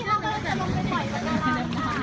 กลับมาปลอดภัยนะเมื่อ